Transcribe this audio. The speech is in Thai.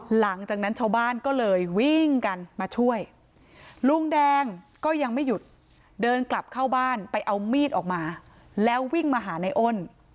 หลังจากนั้นชาวบ้านก็เลยวิ่งกันมาช่วยลุงแดงก็ยังไม่หยุดเดินกลับเข้าบ้านไปเอามีดออกมาแล้ววิ่งมาหาในอ้น